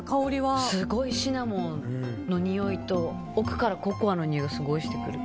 すごいシナモンのにおいと奥からココアのにおいがすごいしてくる。